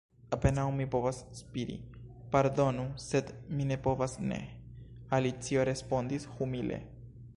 "Apenaŭ mi povas spiri." "Pardonu, sed mi ne povas ne," Alicio respondis humile.